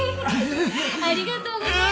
ありがとうございます。